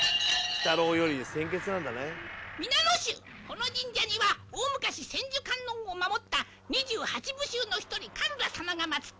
「皆の衆この神社には大昔千手観音を守った二十八部衆の一人かるらさまが祭ってある」